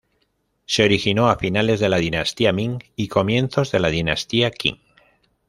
Se originó a finales de la dinastía Ming y comienzos de la dinastía Qing.